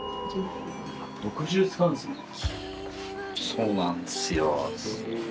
そうなんすよ。